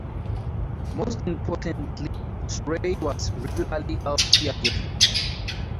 Most importantly, Souray was regularly healthy again.